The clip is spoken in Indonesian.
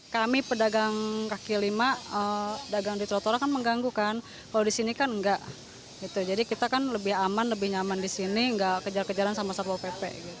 kami pedagang kaki lima dagang di trotoar kan mengganggu kan kalau di sini kan enggak jadi kita kan lebih aman lebih nyaman di sini nggak kejar kejaran sama satpol pp